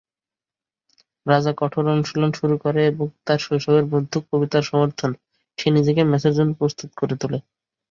রাজা কঠোর অনুশীলন শুরু করে এবং তার শৈশবের বন্ধু কবিতার সমর্থন সে নিজেকে ম্যাচের জন্য প্রস্তুত করে তোলে।